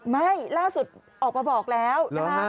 ไม่ล่าสุดออกมาบอกแล้ว